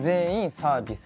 サービス。